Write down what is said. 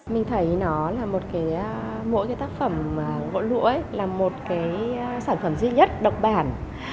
mình thấy mỗi tác phẩm gỗ lũa là một sản phẩm duy nhất độc bản